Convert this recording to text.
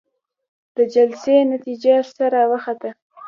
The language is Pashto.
د جلسې نتيجه څه راوخته؟